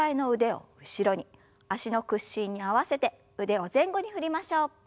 脚の屈伸に合わせて腕を前後に振りましょう。